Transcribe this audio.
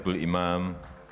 bapak soebul imam